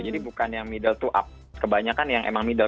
jadi bukan yang middle to up kebanyakan yang emang middle